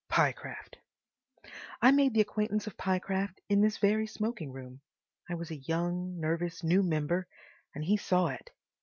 Pyecraft—. I made the acquaintance of Pyecraft in this very smoking room. I was a young, nervous new member, and he saw it.